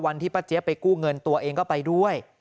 ป้าเจี๊ยบไปกู้เงินตัวเองก็ไปด้วย